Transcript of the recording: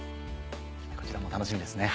こちらも楽しみですね。